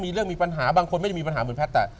มีเรื่องมีปัญหาบางคนไม่มีปัญหามีแพทย์